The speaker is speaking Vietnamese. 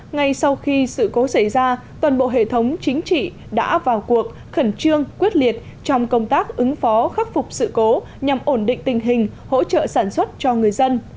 ngay sau khi sự cố xảy ra toàn bộ hệ thống chính trị đã vào cuộc khẩn trương quyết liệt trong công tác ứng phó khắc phục sự cố nhằm ổn định tình hình hỗ trợ sản xuất cho người dân